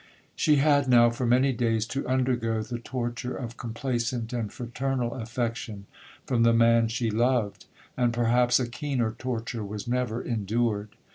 'She had now, for many days, to undergo the torture of complacent and fraternal affection from the man she loved,—and perhaps a keener torture was never endured.